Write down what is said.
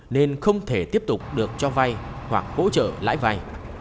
nên không thể tiếp tục được cho vay hoặc bỗ trợ lại vay